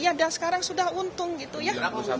iya dan sekarang sudah untung gitu ya